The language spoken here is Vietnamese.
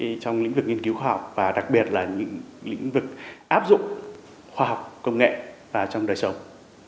với lại trong lĩnh vực nghiên cứu khoa học và đặc biệt là lĩnh vực áp dụng khoa học công nghệ vào trong đời sống